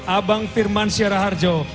abang firman syaraharjo